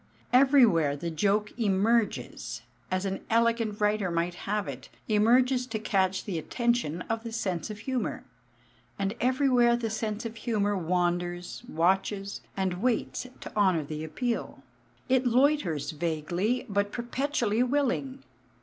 Everywhere the joke "emerges" as an "elegant" writer might have it emerges to catch the attention of the sense of humour; and everywhere the sense of humour wanders, watches, and waits to honour the appeal. It loiters, vaguely but perpetually willing.